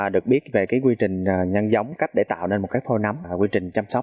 được biết về quy trình nhân giống cách để tạo nên một cái phô nấm quy trình chăm sóc